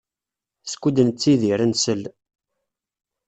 Skud nettidir, nsell.